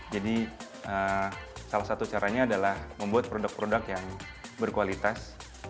jadi salah satu caranya adalah membuat produk produk yang berkualitas